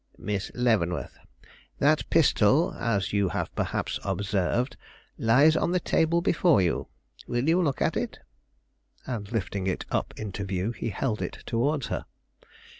"Miss Leavenworth, that pistol, as you have perhaps observed, lies on the table before you. Will you look at it?" And lifting it up into view, he held it towards her.